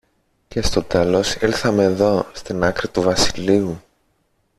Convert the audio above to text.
και στο τέλος ήρθαμε δω, στην άκρη του βασιλείου